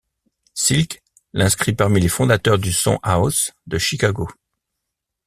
Silk –, l'inscrit parmi les fondateurs du son house de Chicago.